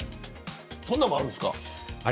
そんなのもあるんですか。